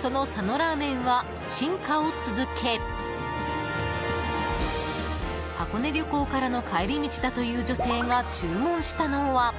その佐野ラーメンは進化を続け箱根旅行からの帰り道だという女性が注文したのは？